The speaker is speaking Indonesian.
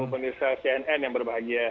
penirsa cnn yang berbahagia